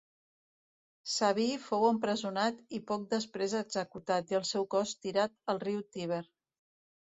Sabí fou empresonat i poc després executat i el seu cos tirat al riu Tíber.